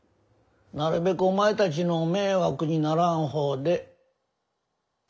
なるべくお前たちの迷惑にならん方で。